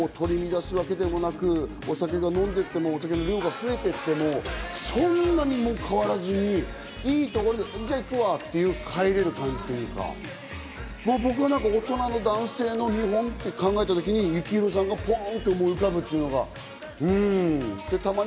取り乱すわけでもなく、お酒の量が増えていっても、そんなにも変わらずに、いいところで、じゃあ行くわって帰れる感じというか、大人の男性の見本って考えたときに、幸宏さんがポンって浮かぶというような。